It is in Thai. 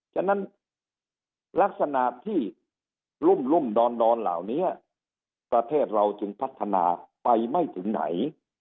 ฉะนั้นลักษณะที่รุ่มดอนเหล่านี้ประเทศเราจึงพัฒนาไปไม่ถึงไหน